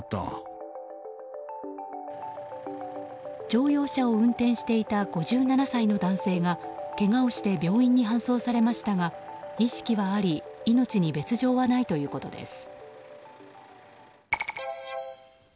乗用車を運転していた５７歳の男性がけがをして病院に搬送されましたが意識はあり命に別条はないということです。